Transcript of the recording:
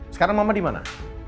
sekarang mama dimana